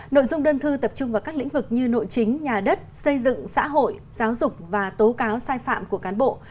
nội dung đơn thư tập trung vào các lĩnh vực như nội chính nhà đất xây dựng xã hội giáo dục và tố cáo sai phạm của cán bộ